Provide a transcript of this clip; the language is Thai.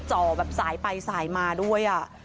จ่อแบบสายไปสายมาด้วย